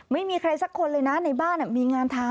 ไม่มีใครสักคนเลยนะในบ้านมีงานทำ